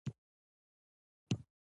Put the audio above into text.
موږ ټول یو کورنۍ یو.